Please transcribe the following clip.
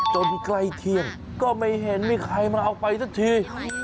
ใกล้เที่ยงก็ไม่เห็นมีใครมาเอาไปสักที